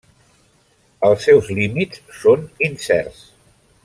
Els seus límits són incerts.